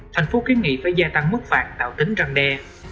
thành phố kiến nghị phải gia tăng mức phạt tạo tính răng đe